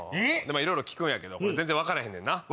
いろいろ聞くんやけど全然分からへんねんな。